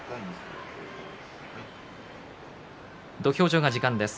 土俵上、時間です。